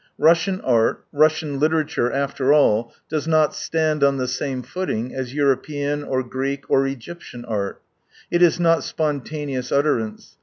Russian art, Russian literature after all does not stand on the same footing as European or Greek or Egyptian art. It is not spontaneous utterance.